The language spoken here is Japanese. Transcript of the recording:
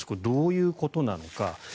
どういうことなのか。